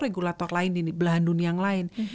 regulator lain di belahan dunia yang lain